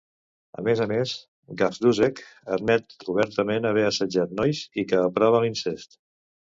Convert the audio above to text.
A més a més, Gajdusek admet obertament haver assetjat nois i que aprova l'incest.